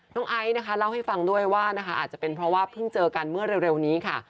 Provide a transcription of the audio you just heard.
ไอซ์นะคะเล่าให้ฟังด้วยว่านะคะอาจจะเป็นเพราะว่าเพิ่งเจอกันเมื่อเร็วนี้ค่ะ